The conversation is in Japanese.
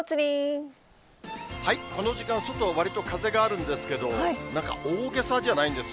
この時間、外、わりと風があるんですけど、なんか大げさじゃないんです。